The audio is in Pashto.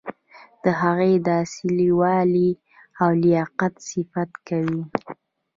د هغه د اصیل والي او لیاقت صفت کوي.